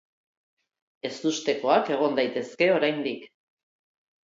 Ezustekoak egon daitezke oraindik.